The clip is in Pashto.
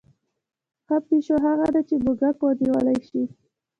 ښه پیشو هغه ده چې موږک ونیولی شي.